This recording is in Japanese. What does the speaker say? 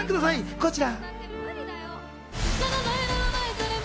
こちら！